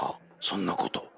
そんなこと。